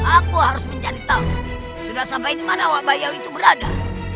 aku harus mencari tahu sudah sampai dimana wabayau itu berada